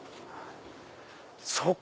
そうか！